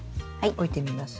置いてみます？